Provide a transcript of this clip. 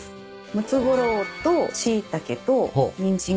ムツゴロウとシイタケとニンジン